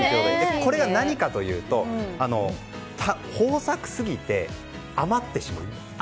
これが何かというと豊作すぎて余ってしまう。